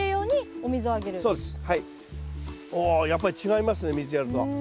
おやっぱり違いますね水やると。